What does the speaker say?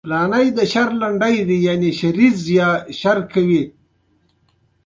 زما تیارې یې د اوبو په شان چیښلي